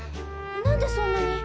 ⁉なんでそんなに。